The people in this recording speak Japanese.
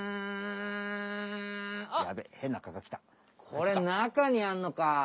これなかにあんのか！